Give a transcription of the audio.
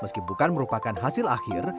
meski bukan merupakan hasil akhir